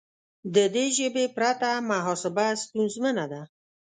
د دې ژبې پرته محاسبه ستونزمنه ده.